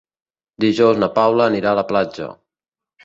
Dijous na Paula anirà a la platja.